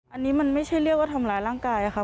อันนี้มันไม่ใช่เรียกว่าทำร้ายร่างกายค่ะ